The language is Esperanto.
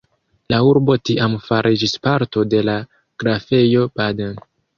La urbo tiam fariĝis parto de la Grafejo Baden.